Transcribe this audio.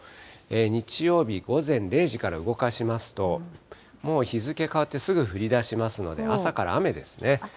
日曜日午前０時から動かしますと、もう日付変わってすぐ降りだしますので、朝から雨ですね。